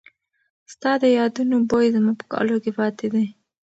ستا د یادونو بوی زما په کالو کې پاتې دی.